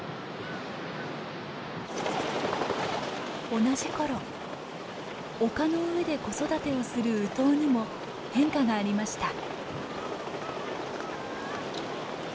同じ頃丘の上で子育てをするウトウにも変化がありました。